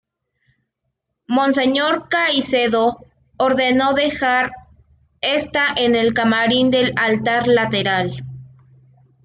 Monseñor Caicedo ordenó dejar esta en el camarín del altar lateral.